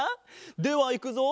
ではいくぞ。